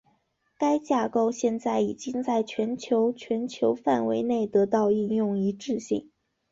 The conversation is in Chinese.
该架构现在已经在全球全球范围内得到应用一致性。